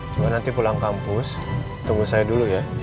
cuma nanti pulang kampus tunggu saya dulu ya